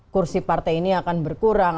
kursi partai ini akan berkurang